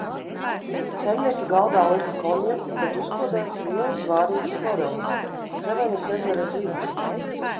Saimnieki galdā lika konjaku, bet uzkodai – lielas vārītas foreles – Sevanas ezera zivis.